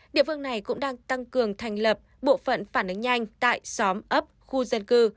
địa phương này cũng đang tăng cường thành lập bộ phận phản ứng nhanh tại xóm ấp khu dân cư